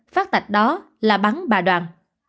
phát tạch đó là bắn bà đoàn